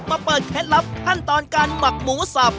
เปิดเคล็ดลับขั้นตอนการหมักหมูสับ